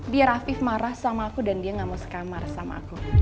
biar afif marah sama aku dan dia gak mau sekamarsama aku